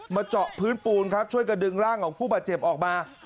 เจาะพื้นปูนครับช่วยกระดึงร่างของผู้บาดเจ็บออกมา